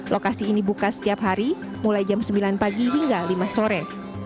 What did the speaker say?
lokasi ini buka setiap hari mulai jam sembilan pagi hingga lima sore